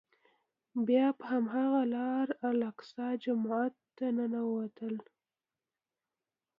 بیا په هماغه لاره الاقصی جومات ته ننوتل.